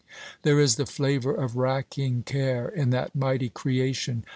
There is the flavour of racking care in that mighty creation.